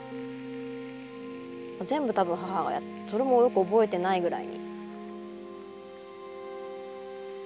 もう全部多分母がやってそれもよく覚えてないぐらいに。